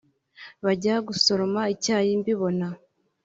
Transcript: bajya gosoroma icyayi mbibona